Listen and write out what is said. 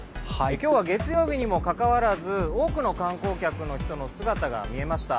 今日は月曜日にもかかわらず多くの観光客の人の姿が見えました。